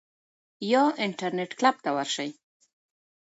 یا انټرنیټ کلب ته ورشئ.